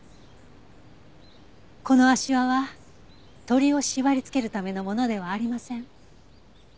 この足環は鳥を縛りつけるためのものではありません。